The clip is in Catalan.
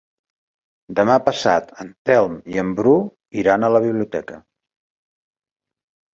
Demà passat en Telm i en Bru iran a la biblioteca.